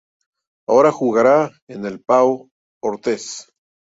Ahora jugará en el Pau Orthez.